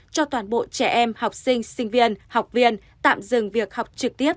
cho toàn bộ trẻ em học sinh sinh viên học viên tạm dừng việc học trực tiếp